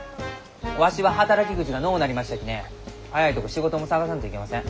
わしは働き口がのうなりましたきね早いとこ仕事も探さんといきません。